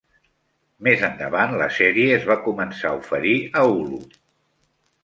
Més endavant la sèrie es va començar a oferir a Hulu.